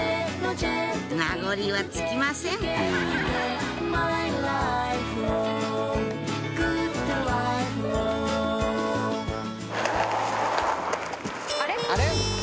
名残は尽きませんあれ？